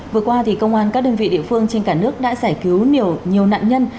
vừa qua công an các đơn vị địa phương trên cả nước đã giải cứu nhiều nạn nhân